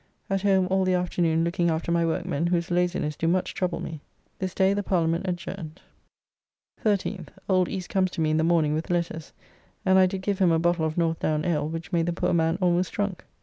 At home all the afternoon looking after my workmen, whose laziness do much trouble me. This day the Parliament adjourned. 13th. Old East comes to me in the morning with letters, and I did give him a bottle of Northdown ale, which made the poor man almost drunk.